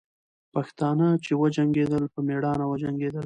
پښتانه چې وجنګېدل، په میړانه وجنګېدل.